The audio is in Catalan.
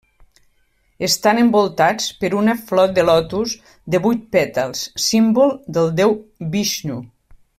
Estan envoltats per una flor de lotus de vuit pètals, símbol del deu Vixnu.